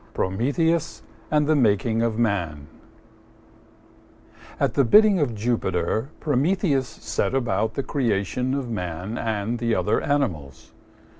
PROMETHEUS AND THE MAKING OF MAN At the bidding of Jupiter, Prometheus set about the creation of Man and the other animals.